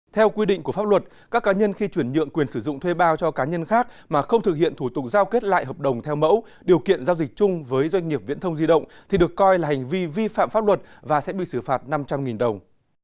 theo quy định của pháp luật các cá nhân khi chuyển nhượng quyền sử dụng thuê bao cho cá nhân khác mà không thực hiện thủ tục giao kết lại hợp đồng theo mẫu điều kiện giao dịch chung với doanh nghiệp viễn thông di động thì được coi là hành vi vi phạm pháp luật và sẽ bị xử phạt năm trăm linh đồng